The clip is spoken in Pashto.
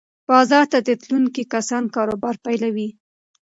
بازار ته تلونکي کسان کاروبار پیلوي.